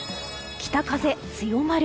北風強まる。